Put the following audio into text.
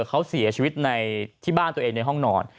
เขาเสียชีวิตในที่บ้านตัวเองในห้องนอน